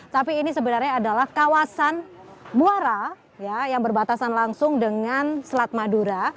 tapi ini sebenarnya adalah kawasan muara yang berbatasan langsung dengan selat madura